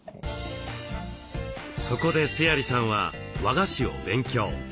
そこで須鑓さんは和菓子を勉強。